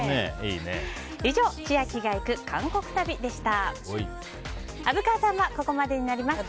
以上、千秋が行く韓国旅でした。